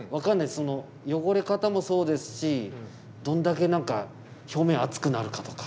その汚れ方もそうですしどんだけ何か表面熱くなるかとか。